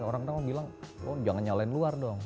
orang orang bilang oh jangan nyalain luar dong